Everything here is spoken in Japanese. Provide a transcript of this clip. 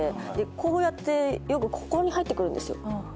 こうやってよくここに入ってくるんですよ。